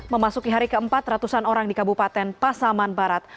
memasuki hari keempat ratusan orang di kabupaten pasaman barat